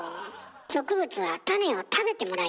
植物は種を食べてもらいたいのよ。